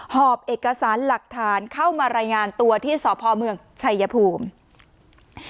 หอบเอกสารหลักฐานเข้ามารายงานตัวที่สพเมืองชัยภูมิ